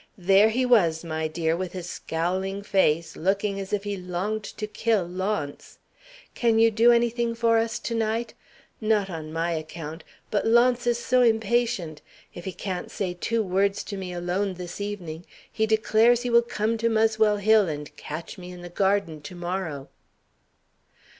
There he was, my dear, with his scowling face, looking as if he longed to kill Launce. Can you do anything for us tonight? Not on my account. But Launce is so impatient. If he can't say two words to me alone this evening, he declares he will come to Muswell Hill, and catch me in the garden tomorrow."